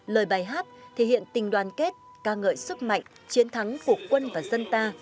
lời bài hát thể hiện tình đoàn kết ca ngợi sức mạnh chiến thắng của quân và dân ta